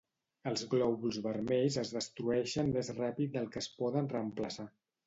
Els glòbuls vermells es destrueixen més ràpid del que es poden reemplaçar